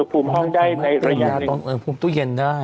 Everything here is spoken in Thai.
ภูมิห้องได้ในระยะตรงอุณหภูมิตู้เย็นได้